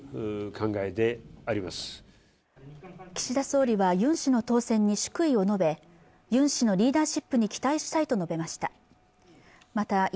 岸田総理はユン氏の当選に祝意を述べユン氏のリーダーシップに期待したいと述べました